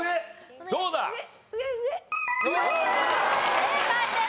正解です！